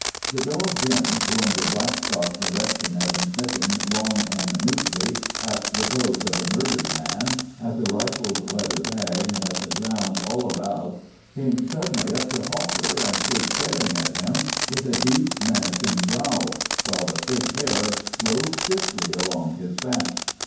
The dog Jim, who under Blackstock's direction had been sniffing long and minutely at the clothes of the murdered man, at the rifled leather bag, and at the ground all about, came suddenly up to Hawker and stood staring at him with a deep, menacing growl, while the thick hair rose stiffly along his back.